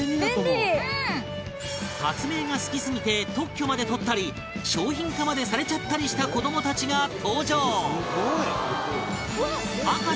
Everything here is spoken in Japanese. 発明が好きすぎて特許まで取ったり商品化までされちゃったりした子どもたちが登場